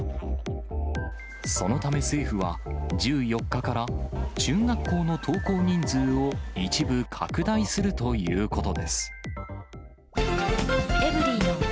そのため政府は、１４日から、中学校の登校人数を一部拡大するということです。